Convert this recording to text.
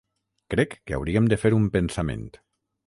Crec que hauríem de fer un pensament.